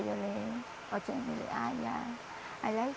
anjali najbardziej tidak dapat mencari angkat karantina